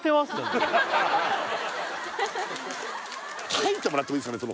書いてもらってもいいですかね